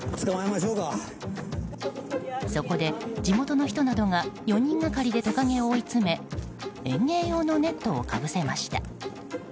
そこで地元の人などが４人がかりでトカゲを追い詰め園芸用のネットをかぶせました。